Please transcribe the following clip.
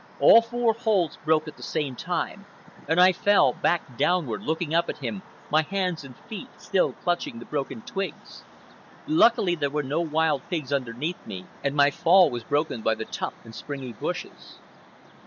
All four holds broke at the same time, and I fell, back downward, looking up at him, my hands and feet still clutching the broken twigs. Luckily, there were no wild pigs under me, and my fall was broken by the tough and springy bushes.